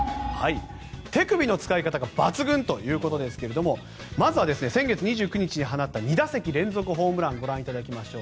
手首の使い方が抜群ということですけれどもまずは先月２９日に放った２打席連続ホームランをご覧いただきましょう。